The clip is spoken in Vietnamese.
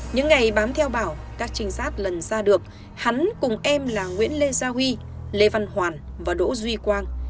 những ngày bám theo bảo các trinh sát lần ra được hắn cùng em là nguyễn lê gia huy lê văn hoàn và đỗ duy quang